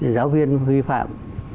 giáo viên vi phạm